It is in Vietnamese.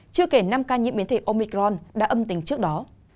chưa kể năm ca nhiễm biến thể omicron đã âm tính trước đó